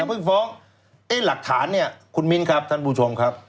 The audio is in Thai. เพิ่งฟ้องไอ้หลักฐานเนี่ยคุณมิ้นครับท่านผู้ชมครับ